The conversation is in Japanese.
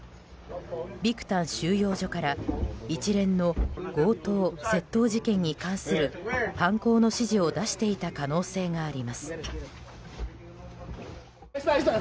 ビクタン収容所から一連の強盗・窃盗事件に関する犯行の指示を出していた可能性があります。